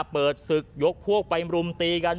เปิดศึกยกพวกไปรุมตีกัน